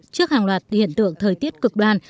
trước hàng loạt hiện tượng thời tiết cực đoan